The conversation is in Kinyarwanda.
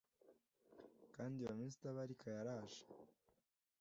Kandi iyo minsi itabarika yaraje